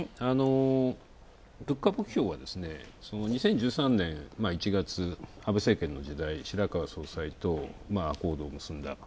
物価目標は２０１３年１月、安倍政権の時代白川総裁とこうどを結んだ。